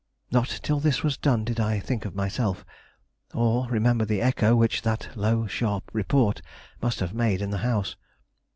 Not till this was done did I think of myself, or remember the echo which that low, sharp report must have made in the house.